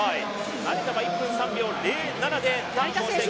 成田は１分３秒０７でターン。